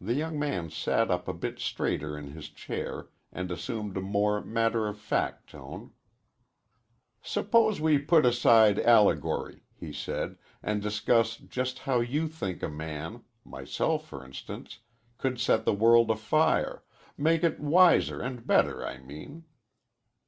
The young man sat up a bit straighter in his chair and assumed a more matter of fact tone. "Suppose we put aside allegory," he said, "and discuss just how you think a man myself, for instance could set the world afire make it wiser and better, I mean."